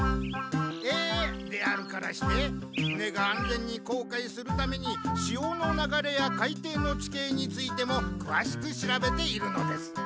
えであるからして船が安全に航海するために潮の流れや海底の地形についてもくわしく調べているのです。